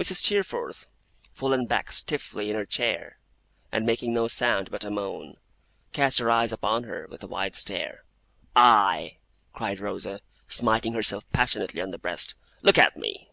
Mrs. Steerforth, fallen back stiffly in her chair, and making no sound but a moan, cast her eyes upon her with a wide stare. 'Aye!' cried Rosa, smiting herself passionately on the breast, 'look at me!